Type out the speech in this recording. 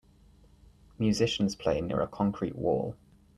Musicians play near a concrete wall.